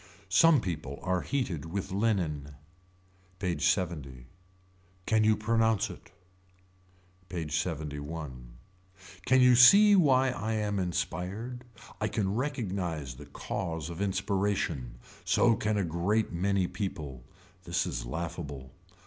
Some people are heated with linen. PAGE LXX. Can you pronounce it. PAGE LXXI. Can you see why I am inspired. I can recognise the cause of inspiration. So can a great many people. This is laughable.